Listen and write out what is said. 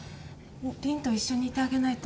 凛と一緒にいてあげないと。